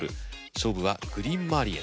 勝負はグリーン周りへ。